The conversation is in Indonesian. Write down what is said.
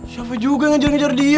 siapa juga yang ngejar ngajar dia